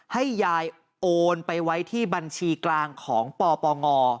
ให้ยายโอนไปไว้ที่บัญชีกลางของปปง